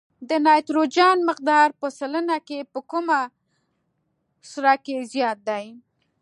د نایتروجن مقدار په سلنه کې په کومه سره کې زیات دی؟